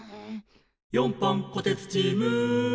「４班こてつチーム」